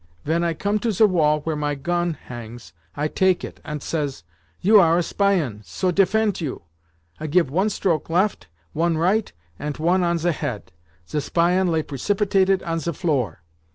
Ven I come to ze wall where my gon hangs I take it, ant says, 'You are a Spion, so defent you!' I give one stroke left, one right, ant one on ze head. Ze Spion lay precipitated on ze floor!